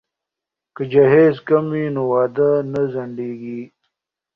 که جهیز کم وي نو واده نه ځنډیږي.